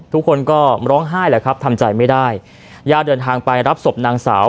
ทุกคนก็ร้องไห้แหละครับทำใจไม่ได้ญาติเดินทางไปรับศพนางสาว